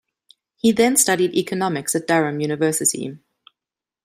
He then studied Economics at Durham University.